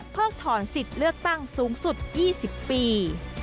ถอนสิทธิ์เลือกตั้งสูงสุด๒๐ปี